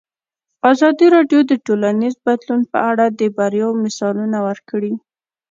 ازادي راډیو د ټولنیز بدلون په اړه د بریاوو مثالونه ورکړي.